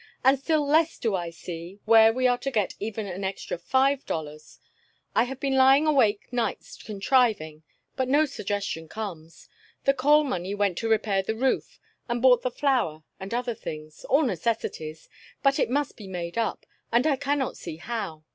And still less do I see where we are to get even an extra five dollars. I have been lying awake nights contriving, but no suggestion comes. The coal money went to repair the roof, and bought the flour and other things all necessities but it must be made up, and I cannot see how.